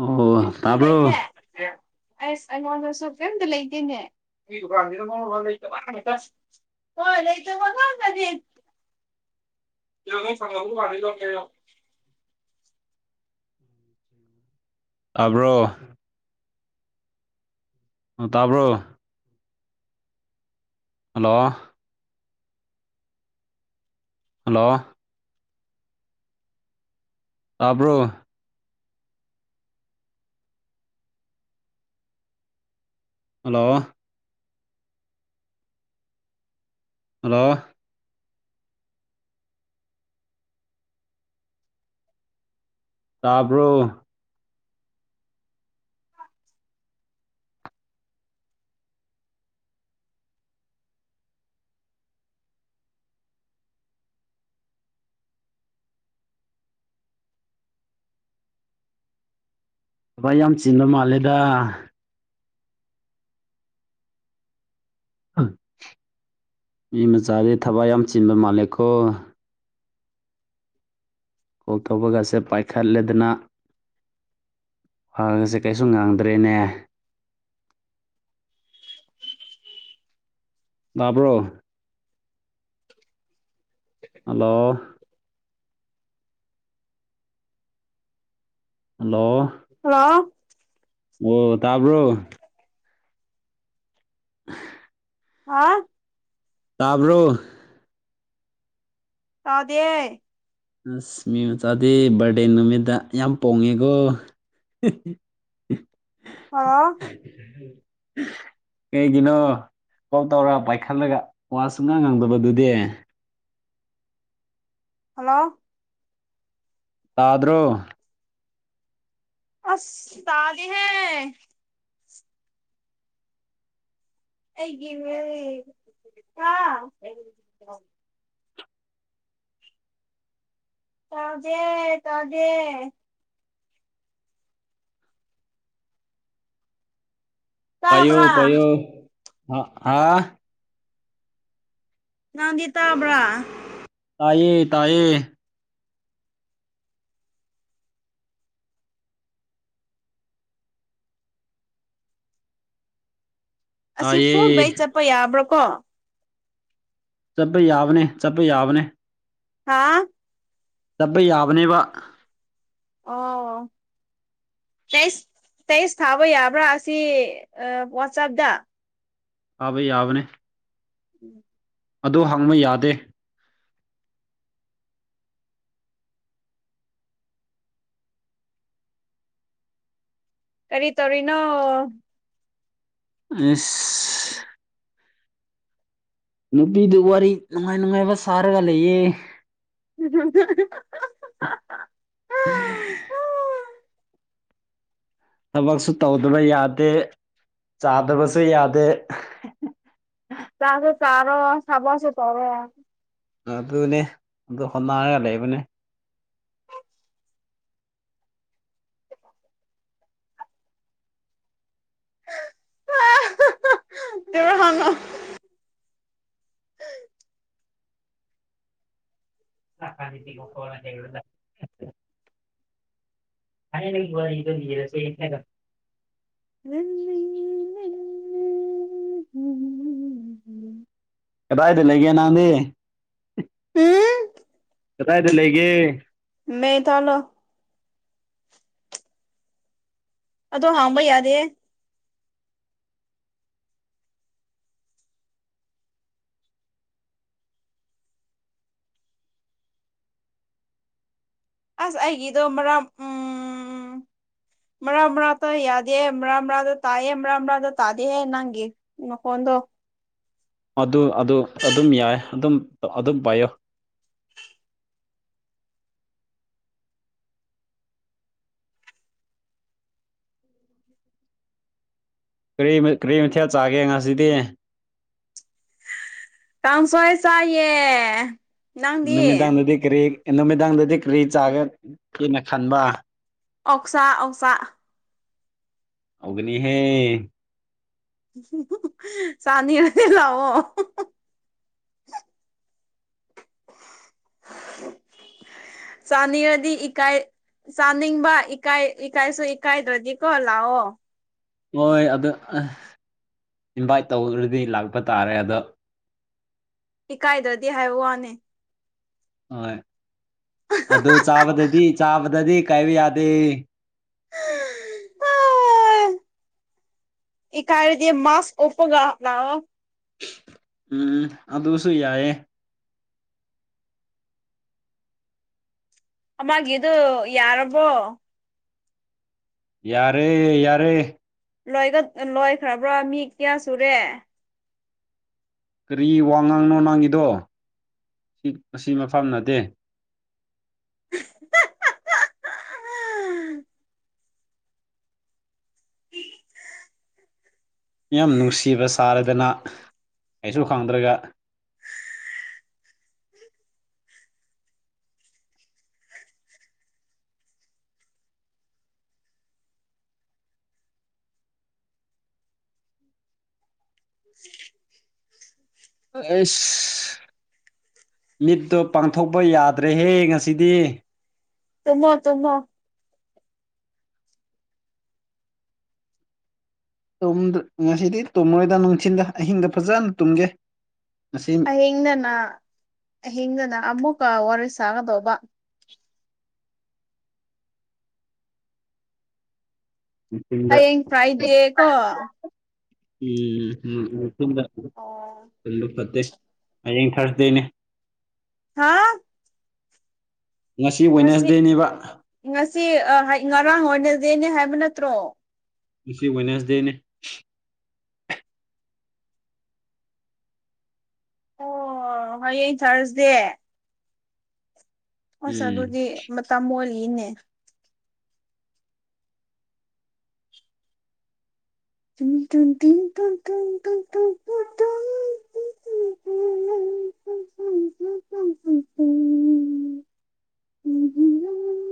ꯑꯣ ꯐꯤꯐꯇꯤ ꯇꯥꯕ꯭ꯔꯣ ꯂꯩꯇꯦ ꯑꯁ ꯑꯩꯉꯣꯟꯗꯁꯨ ꯀꯔꯤꯃꯇ ꯂꯩꯇꯦꯅꯦ ꯁꯤ ꯗꯨꯀꯥꯟꯁꯤꯅ ꯃꯔꯣꯜ ꯑꯃ ꯂꯩꯇꯕ ꯉꯥꯛꯇ ꯍꯣꯏ ꯂꯩꯇꯕ ꯉꯥꯛꯇꯅꯦ ꯅꯣꯏ ꯊꯡꯅꯕ ꯗꯨꯀꯥꯟꯁꯤꯗꯒꯤ ꯂꯧꯒꯦ ꯍꯥꯏꯑꯣ ꯇꯥꯕ꯭ꯔꯣ ꯇꯥꯕ꯭ꯔꯣ ꯍꯦꯜꯂꯣ ꯍꯦꯜꯂꯣ ꯇꯥꯕ꯭ꯔꯣ ꯍꯦꯜꯂꯣ ꯍꯦꯜꯂꯣ ꯇꯥꯕ꯭ꯔꯣ ꯊꯕꯛ ꯌꯥꯝ ꯆꯤꯟꯕ ꯃꯥꯜꯂꯦꯗ ꯃꯤ ꯃꯆꯥꯗꯤ ꯊꯕꯛ ꯌꯥꯝ ꯆꯤꯟꯕ ꯃꯥꯜꯂꯦꯀꯣ ꯀꯣꯜ ꯇꯧꯕ ꯀꯥꯏꯁꯦ ꯄꯥꯏꯈꯠꯂꯗꯅ ꯋꯥꯒꯁꯦ ꯀꯩꯁꯨ ꯉꯥꯡꯗ꯭ꯔꯦꯅꯦ ꯇꯥꯕ꯭ꯔꯣ [inaudible] ꯍꯦꯜꯂꯣ ꯍꯦꯜꯂꯣ ꯍꯜꯂꯣ ꯋ‌ꯣ ꯇꯥꯕ꯭ꯔꯣ [unintelligible] ꯍꯥ ꯇꯥꯕ꯭ꯔꯣ ꯇꯥꯗꯤꯌ‌ꯦ ꯑꯁ ꯃꯤ ꯃꯆꯥꯗꯤ ꯕꯥꯔꯗꯦ ꯅꯨꯃꯤꯠꯇ ꯌꯥꯝ ꯄꯣꯡꯉ‌ꯦꯀꯣ [unintelligible] ꯍꯜꯂꯣ [unintelligible] ꯀꯩꯒꯤꯅꯣ ꯀꯣꯜ ꯇꯧꯔ ꯄꯥꯏꯈꯠꯂꯒ ꯋꯥ ꯁꯨꯡꯉꯥꯡ ꯉꯥꯡꯗꯕꯗꯨꯗꯤ ꯍꯜꯂꯣ ꯇꯥꯗ꯭ꯔꯣ ꯑꯁ ꯇꯥꯗꯦꯍꯦ ꯑꯩꯒꯤ ꯃꯤꯂꯤꯌ‌ꯦ ꯍꯥ ꯇꯥꯗꯦ ꯇꯥꯗꯦ ꯄꯥꯏꯌ‌ꯣ ꯇꯥꯕ꯭ꯔꯥ ꯄꯥꯏꯌ‌ꯦ ꯑ‌ ꯑꯥ ꯅꯪꯗꯤ ꯇꯥꯕ꯭ꯔꯥ ꯇꯥꯏꯌꯦ ꯇꯥꯏꯌꯦ ꯑꯁꯤ ꯇꯥꯏꯌꯦ ꯐꯨꯜ ꯕꯩꯠ ꯆꯠꯄ ꯌꯥꯕ꯭ꯔꯣꯀꯣ ꯆꯠꯄ ꯌꯥꯕꯅꯦ ꯆꯠꯄ ꯌꯥꯕꯅꯦ ꯍꯥꯥ ꯆꯠꯄ ꯌꯥꯕꯅꯦꯕ ꯑꯣ [inaudible] ꯇꯦꯁ ꯇꯦꯁ ꯊꯥꯕ ꯌꯥꯕ꯭ꯔꯥ ꯑꯁꯤ ꯑ‌ ꯋꯥꯆꯞꯗ ꯐꯥꯕ ꯌꯥꯕꯅꯦ [inaudible] ꯑꯗꯨ ꯍꯪꯕ ꯌꯥꯗꯦ ꯀꯔꯤ ꯇꯧꯔꯤꯅꯣ ꯏꯁ ꯅꯨꯄꯤꯗꯨ ꯋꯥꯔꯤ ꯅꯨꯡꯉꯥꯏ ꯅꯨꯡꯉꯥꯏꯕ ꯁꯥꯔꯒ ꯂꯩꯌꯦ [unintelligible] [unintelligible] ꯊꯕꯛꯁꯨ ꯇꯧꯗꯕ ꯌꯥꯗꯦ ꯆꯥꯗꯕꯁꯨ ꯌꯥꯗꯦ ꯆꯥꯁꯨ ꯇꯥꯔꯣ ꯊꯕꯛꯁꯨ ꯇꯧꯔꯣ ꯑꯗꯨꯅꯦ ꯑꯗꯨ ꯍꯣꯠꯅꯔꯒ ꯂꯩꯕꯅꯦ [unintelligible] [unintelligible] [unintelligible] ꯊꯥꯏꯅꯒꯤ ꯋꯥꯔꯤꯗꯣ ꯂꯤꯔꯁꯦ ꯍꯥꯏꯒ [unintelligible] ꯀꯗꯥꯏꯗ ꯂꯩꯒꯦ ꯅꯪꯗꯤ ꯎꯝ ꯀꯗꯥꯏꯗ ꯂꯩꯒꯦ ꯃ‌ꯦꯊꯜꯂꯣ ꯑꯗꯣ ꯍꯪꯕ ꯌꯥꯗꯦ ꯑꯁ ꯑꯩꯒꯤꯗꯣ ꯃꯔꯥꯝ ꯎꯝ [inaudible] ꯃꯔꯛ ꯃꯔꯛ ꯌꯥꯗꯦ ꯃꯔꯛ ꯃꯔꯛ ꯇꯥꯏꯌꯦ ꯃꯔꯛ ꯃꯔꯛꯇ ꯇꯥꯗꯦꯍꯦ ꯅꯪꯒꯤ ꯅꯈꯣꯟꯗꯣ ꯑꯗꯨ ꯑꯗꯨ ꯑꯗꯨꯝ ꯌꯥꯏ ꯑꯗꯨꯝ ꯑꯗꯨꯝ ꯄꯥꯏꯌꯣ ꯀꯔꯤ ꯀꯔꯤ ꯃꯊꯦꯜ ꯆꯥꯒꯦ ꯉꯁꯤꯗꯤ ꯀꯥꯡꯁꯣꯏ ꯆꯥꯏꯌꯦ ꯅꯪꯗꯤ ꯅꯨꯃꯤꯗꯥꯡꯗꯗꯤ ꯀꯔꯤ ꯅꯨꯃꯤꯗꯥꯡꯗꯗꯤ ꯀꯔꯤ ꯆꯥꯒꯒꯦꯅ ꯈꯟꯕ ꯑꯣꯛꯁꯥ ꯑꯣꯛꯁꯥ ꯍꯥꯎꯒꯅꯤ ꯍꯦ ꯆꯥꯅꯤꯡꯉꯗꯤ ꯂꯥꯛꯑꯣ [inaudible] ꯆꯥꯅꯤꯡꯉꯗꯤ ꯏꯀꯥꯏ ꯆꯥꯅꯤꯡꯕ ꯏꯀꯥꯏ ꯏꯀꯥꯏꯁꯨ ꯏꯀꯥꯏꯗ꯭ꯔꯗꯤꯀꯣ ꯂꯥꯛꯑꯣ ꯍꯣꯏ ꯑꯗꯣ ꯑꯥ ꯏꯟꯚꯥꯏꯠ ꯇꯧꯗ꯭ꯔꯗꯤ ꯂꯥꯛꯄ ꯇꯥꯔꯦ ꯑꯗꯣ ꯏꯀꯥꯏꯗ꯭ꯔꯗꯤ ꯍꯥꯏꯕ ꯋꯥꯅꯦ ꯍꯣꯏ ꯑꯗꯨ ꯆꯥꯕꯗꯗꯤ ꯆꯥꯕꯗꯗꯤ ꯀꯥꯏꯕ ꯌꯥꯗꯦ ꯏꯀꯥꯏꯔꯗꯤ ꯃꯥꯛꯁ ꯀꯨꯞꯄꯒ ꯂꯥꯛꯑꯣ ꯎꯝ ꯑꯗꯨꯁꯨ ꯌꯥꯏꯌꯦ ꯑꯃꯒꯤꯗꯨ ꯌꯥꯔꯕꯣ ꯌꯥꯔꯦ ꯌꯥꯔꯦ ꯂꯣꯏꯒ ꯂꯣꯏꯈ꯭ꯔꯕ꯭ꯔꯥ ꯃꯤ ꯀꯌꯥ ꯁꯨꯔꯦ ꯀꯔꯤ ꯋꯥꯉꯥꯡꯅꯣ ꯅꯪꯒꯤꯗꯣ ꯑꯁꯤ ꯃꯐꯝ ꯅꯠꯇꯦ [unintelligible] ꯌꯥꯝ ꯅꯨꯡꯁꯤꯕ ꯁꯥꯔꯗꯅ ꯀꯩꯁꯨ ꯈꯪꯗ꯭ꯔꯒ [unintelligible] ꯑꯩꯁ ꯃꯤꯠꯇꯣ ꯄꯥꯡꯊꯣꯛꯄ ꯌꯥꯗ꯭ꯔꯦꯍꯦ ꯉꯁꯤꯗꯤ ꯇꯨꯝꯃꯣ ꯇꯨꯝꯃꯣ ꯇꯝꯗ꯭ꯔ ꯉꯁꯤꯗꯤ ꯇꯨꯝꯃꯣꯏꯗ ꯅꯨꯡꯊꯤꯟꯗ ꯑꯍꯤꯡꯗ ꯐꯖꯅ ꯇꯨꯝꯒꯦ ꯉꯁꯤ ꯑꯍꯤꯡꯗꯅ ꯑꯍꯤꯡꯗꯅ ꯑꯃꯨꯛꯀ ꯋꯥꯔꯤ ꯁꯥꯒꯗꯧꯕ [unintelligible] ꯎꯝ ꯍꯌꯦꯡ ꯐ꯭ꯔꯥꯏꯗꯦ ꯀꯣ ꯎꯝ ꯎꯝꯕ ꯑꯣ ꯐꯠꯇꯦ ꯍꯌꯦꯡ ꯊꯥꯔꯁꯗꯦꯅꯦ ꯍꯥꯥ ꯉꯁꯤ ꯋꯦꯅꯦꯁꯗꯦꯅꯦꯕ ꯉꯁꯤ ꯑꯥ ꯉꯔꯥꯡ ꯋꯦꯅꯥꯁꯗꯦꯅꯦ ꯍꯥꯏꯕ ꯅꯠꯇ꯭ꯔꯣ ꯉꯁꯤ ꯋꯦꯅꯁꯗꯦꯅꯤ ꯑꯣ ꯍꯌꯦꯡ ꯊꯥꯔꯁꯗꯦ ꯑꯁ ꯎꯝ ꯑꯗꯨꯗꯤ ꯃꯇꯝ ꯃꯣꯜꯂꯤꯅꯦ [unintelligible] ꯇꯨꯡ ꯇꯨꯡ ꯇꯨꯡ ꯇꯨꯡ ꯇꯨꯡ. [inaudible]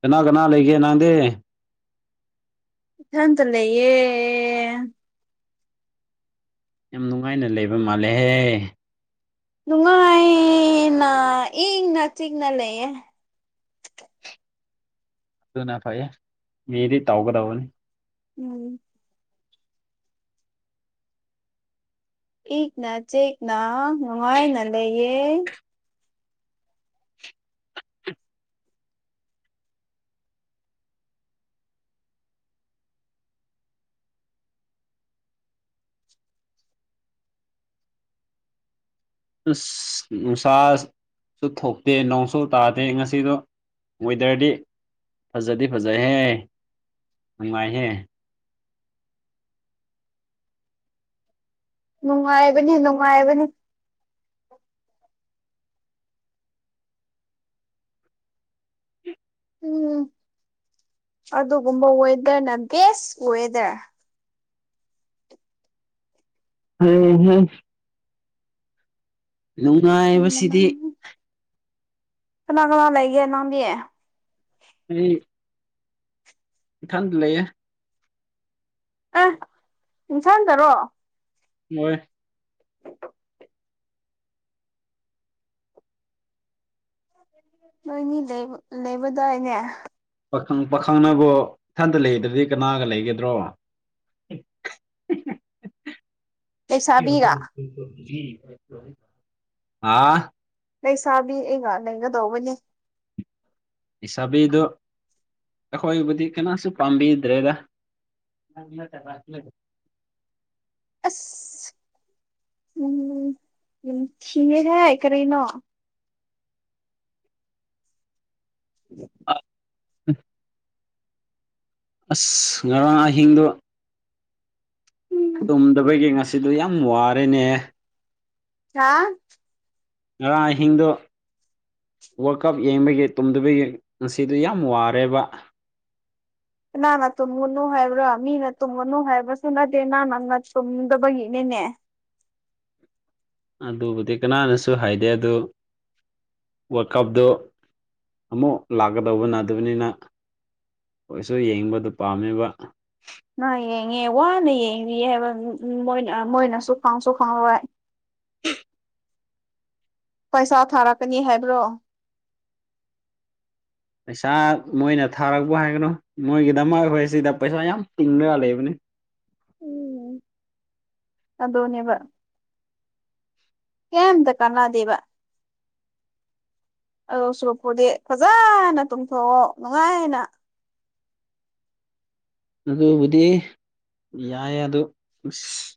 ꯀꯅꯥ ꯀꯅꯥ ꯂꯩꯒꯦ ꯅꯪꯗꯤ ꯏꯊꯟꯇ ꯂꯩꯌꯦ ꯌꯥꯝ ꯅꯨꯡꯉꯥꯏꯅ ꯂꯩꯕ ꯃꯥꯜꯂꯦꯍꯦ ꯅꯨꯡꯉꯥꯏꯅ ꯏꯪꯅ ꯆꯤꯛꯅ ꯂꯩꯌꯦ ꯗꯨꯅ ꯐꯩꯌꯦ ꯃꯦꯗꯤ ꯇꯧꯒꯗꯧꯕꯅꯦ ꯎꯝ ꯏꯛꯅ ꯆꯦꯛꯅ ꯅꯨꯉꯥꯏꯅ ꯂꯩꯌꯦ ꯑꯁ ꯅꯨꯡꯁꯥꯁꯨ ꯊꯣꯛꯇꯦ ꯅꯣꯡꯁꯨ ꯇꯥꯗꯦ ꯉꯁꯤꯗꯣ ꯋꯦꯗꯔꯗꯤ ꯐꯖꯗꯤ ꯐꯖꯩꯍꯦ ꯅꯨꯡꯉꯥꯏꯍꯦ ꯅꯨꯡꯉꯥꯏꯕꯅꯦ ꯅꯨꯡꯉꯥꯏꯕꯅꯦ ꯎꯝ ꯑꯗꯨꯒꯨꯝꯕ ꯋꯦꯗꯔꯅ ꯕꯦꯁ ꯋꯦꯗꯔ ꯎꯝ ꯍꯝ ꯅꯨꯡꯉꯥꯏꯕꯁꯤꯗꯤ ꯀꯅꯥ ꯀꯅꯥ ꯂꯩꯒꯦ ꯅꯥꯎꯟꯕꯤ ꯑꯩ ꯏꯊꯟꯗ ꯂꯩꯌꯦ ꯑꯦ ꯅꯊꯟꯗꯔꯣ ꯃꯣꯏ ꯅꯣꯏꯅꯤ ꯂꯩꯕ ꯂꯩꯕꯗꯥꯏꯅꯦ ꯄꯥꯈꯪ ꯄꯥꯈꯪꯅꯕꯨ ꯊꯟꯇ ꯂꯩꯗ꯭ꯔꯗꯤ ꯀꯅꯥꯒ ꯂꯩꯒꯗ꯭ꯔꯣ ꯂꯩꯁꯥꯕꯤꯒ ꯑꯥ ꯂꯩꯁꯥꯕꯤ ꯑꯩꯒ ꯂꯩꯒꯗꯧꯕꯅꯦ ꯑꯤꯁꯥꯥꯕꯤꯗꯣ ꯑꯈꯣꯏꯕꯨꯗꯤ ꯀꯅꯥꯁꯨ ꯄꯥꯝꯕꯤꯗ꯭ꯔꯦꯗ [unintelligible] ꯑꯁ ꯎꯝ ꯌꯥꯝ ꯊꯤꯌꯦ ꯍꯦ ꯀꯔꯤꯅꯣ ꯑꯥ ꯎꯝ ꯑꯁ ꯉꯔꯥꯡ ꯑꯍꯤꯡꯗꯣ ꯇꯨꯝꯗꯕꯒꯤ ꯉꯁꯤꯗꯣ ꯌꯥꯝ ꯋꯥꯔꯦꯅꯦ ꯍꯥꯥ ꯉꯔꯥꯡ ꯑꯍꯤꯡꯗꯣ ꯋꯥꯔꯜ ꯀꯞ ꯌꯦꯡꯕꯒꯤ ꯇꯨꯝꯗꯕꯒꯤ ꯉꯁꯤꯗꯣ ꯌꯥꯝ ꯋꯥꯔꯦꯕ ꯀꯅꯥꯅ ꯇꯨꯝꯃꯨꯅꯨ ꯍꯥꯏꯕ꯭ꯔꯥ ꯃꯤꯅ ꯇꯨꯝꯒꯅꯨ ꯍꯥꯏꯕꯁꯨ ꯅꯠꯇꯦ ꯅꯪꯅ ꯅꯠ ꯇꯨꯝꯗꯕꯒꯤꯅꯤꯅꯦ ꯑꯗꯨꯕꯨꯗꯤ ꯀꯅꯥꯅꯁꯨ ꯍꯥꯏꯗꯦ ꯑꯗꯨ ꯋꯥꯔꯜ ꯀꯞꯗꯣ ꯑꯃꯨꯛ ꯂꯥꯛꯀꯗꯧꯕ ꯅꯠꯗꯕꯅꯤꯅ ꯑꯣꯏꯁꯨ ꯌꯦꯡꯕꯗꯣ ꯄꯥꯝꯃꯦꯕ ꯃꯥ ꯌꯦꯡꯉꯦ ꯋꯥꯅ ꯌꯦꯡꯕꯤꯌꯦꯕ ꯍꯥꯏꯕ ꯎꯝ ꯎꯝ ꯃꯣꯏꯅ ꯃꯣꯏꯅꯁꯨ ꯐꯥꯎꯟꯁꯨ ꯐꯥꯎꯟꯔꯣꯏ ꯄꯩꯁꯥ ꯊꯥꯔꯛꯀꯅꯤ ꯍꯥꯏꯕ꯭ꯔꯣ ꯄꯩꯁꯥ ꯃꯣꯏꯅ ꯊꯥꯔꯛꯄ ꯍꯥꯏꯒꯅꯣ ꯃꯣꯏꯒꯤꯗꯃꯛ ꯑꯈꯣꯏ ꯁꯤꯗ ꯄꯩꯁꯥ ꯌꯥꯝ ꯇꯤꯡꯅ ꯂꯩꯕꯅꯦ ꯎꯝ ꯑꯗꯣꯅꯦꯕ ꯀꯦꯝꯇ ꯀꯅꯥꯗꯦꯕ ꯑꯗꯣ ꯁꯣꯔꯣꯛꯄꯨꯗꯤ ꯐꯖꯅ ꯇꯨꯝꯊꯣꯛꯑꯣ ꯅꯨꯉꯥꯏꯅ ꯑꯗꯨꯕꯨꯗꯤ ꯌꯥꯏ ꯑꯗꯨ ꯎꯁ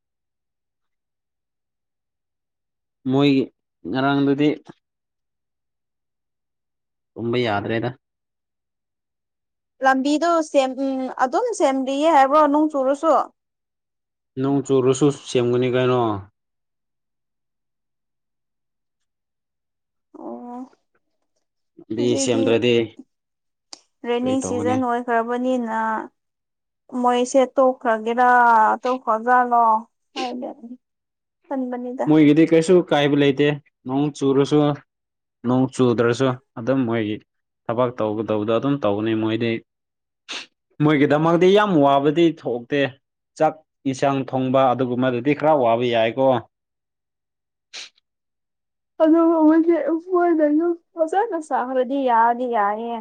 ꯃꯣꯏꯒꯤ ꯉꯔꯥꯡꯗꯨꯗꯤ ꯇꯨꯝꯕ ꯌꯥꯗ꯭ꯔꯦꯗ ꯂꯝꯕꯤꯗꯨ ꯁꯦꯝ ꯎꯝ ꯑꯗꯨꯝ ꯁꯦꯝꯕꯤꯌꯦ ꯍꯥꯏꯕ꯭ꯔꯣ ꯅꯨꯡ ꯆꯨꯔꯁꯨ ꯅꯣꯡ ꯆꯨꯔꯁꯨ ꯁꯦꯝꯒꯅꯤ ꯀꯩꯅꯣ ꯑꯣ ꯂꯝꯕꯤ ꯍꯨꯖꯤꯛꯗꯤ ꯁꯦꯝꯗ꯭ꯔꯗꯤ ꯀꯔꯤ ꯔꯦꯅꯤꯡ ꯇꯧꯒꯅꯤ ꯁꯤꯖꯟ ꯑꯣꯏ ꯐ꯭ꯔꯕꯅꯦꯅ ꯃꯣꯏꯁꯦ ꯇꯣꯛꯈ꯭ꯔꯒꯦꯔꯥ ꯇꯣꯛꯈ꯭ꯔꯖꯥꯠꯂꯣ [unintelligible] ꯍꯟꯕꯅꯤ ꯃꯣꯏꯒꯤꯗꯤ ꯀꯩꯁꯨ ꯀꯥꯏꯕ ꯂꯩꯇꯦ ꯅꯣꯡ ꯆꯨꯔꯁꯨ ꯅꯣꯡ ꯆꯨꯗ꯭ꯔꯁꯨ ꯑꯗꯨꯝ ꯃꯣꯏꯒꯤ ꯊꯕꯛ ꯇꯧꯒꯗꯧꯕꯗꯣ ꯑꯗꯨꯝ ꯇꯧꯕꯅꯦ ꯃꯣꯏꯗꯤ ꯃꯣꯏꯒꯤꯗꯃꯛꯇꯤ ꯌꯥꯝ ꯋꯥꯕꯗꯤ ꯊꯣꯛꯇꯦ ꯆꯥꯛ ꯏꯟꯁꯥꯡ ꯊꯣꯡꯕ ꯑꯗꯨꯒꯨꯝꯕꯗꯨꯗꯤ ꯈꯔ ꯋꯥꯕ ꯌꯥꯏꯀꯣ ꯑꯗꯨ ꯃꯣꯏꯒꯤ ꯃꯣꯏꯗꯖꯨ ꯐꯖꯅ ꯁꯥꯈ꯭ꯔꯗꯤ ꯌꯥꯗꯤ ꯌꯥꯏꯅꯤꯌꯦ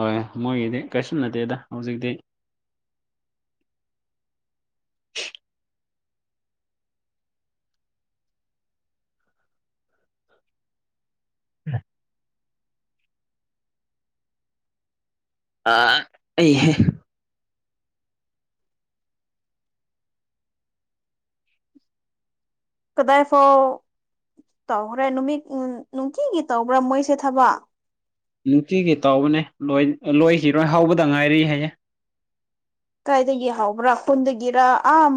ꯑꯣꯏ ꯃꯣꯏꯒꯤꯗꯤ ꯀꯩꯁꯨ ꯅꯠꯇꯦꯗ ꯍꯧꯖꯤꯛꯇꯤ [unintelligible] ꯑꯥ ꯑꯩꯍꯦ ꯀꯗꯥꯏ ꯐꯥꯎ ꯇꯧꯈ꯭ꯔꯦ ꯅꯨꯃꯤꯠ ꯅꯨꯡꯇꯤꯒꯤ ꯇꯧꯕ꯭ꯔꯥ ꯃꯣꯏꯁꯦ ꯊꯕꯛ ꯅꯨꯡꯇꯤꯒꯤ ꯇꯧꯕꯅꯦ ꯂꯣꯏ ꯑꯥ ꯂꯣꯏꯈꯤꯔꯣꯏ ꯍꯧꯕꯗ ꯉꯥꯏꯔꯤ ꯍꯥꯏꯌꯦ ꯀꯥꯏꯗꯒꯤ ꯍꯧꯕ꯭ꯔꯥ ꯈꯨꯟꯗꯒꯤꯔꯥ ꯑꯥꯝ